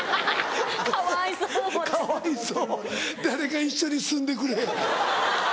誰か一緒に住んでくれ。